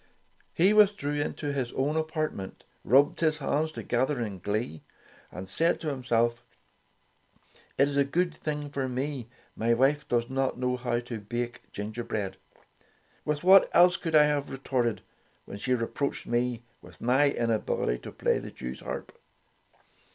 He withdrew into his own apartment, rubbed his hands together in glee and said to himself: "It's a good thing for me my wife does not know how to bake ginger bread! With what else could I have re torted when she reproached me with my inability to play the Jewsharp